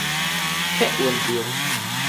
客運亭